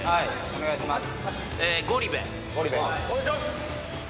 お願いします。